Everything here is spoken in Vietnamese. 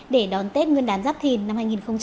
để đón tết nguyên đán giáp thìn năm hai nghìn hai mươi bốn